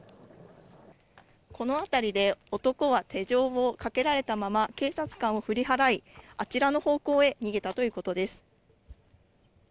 この辺りで、男は手錠をかけられたまま、警察官を振り払い、あちらの方向へ逃げたということです。